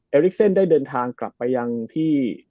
เอริเม่ก์เซ็นได้เดินทางกลับไปยังที่